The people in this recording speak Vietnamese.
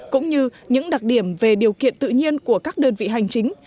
cũng như những đặc điểm về điều kiện tự nhiên của các đơn vị hành chính